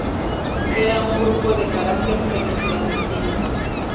Era un grupo de carácter semi-clandestino.